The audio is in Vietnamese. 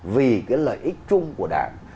vì cái lợi ích chung của đảng